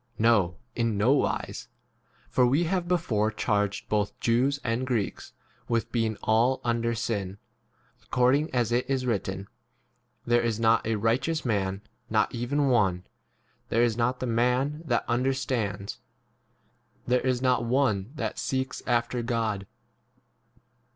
No, in no wise : for we have before charged both Jews and Greeks 10 with being all under sin : accord ing as it is written, There is not a righteous [man], not even one: 11 'There is not the [man] that understands, there is not one that 12 seeks after God.